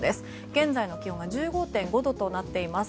現在の気温が１５．５度となっています。